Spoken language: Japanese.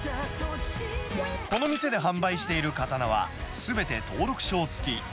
この店で販売している刀は、すべて登録証付き。